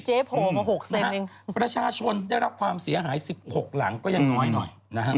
เจ๊โผล่มาหกเซนหนึ่งนะฮะประชาชนได้รับความเสียหายสิบหกหลังก็ยังน้อยหน่อยนะฮะ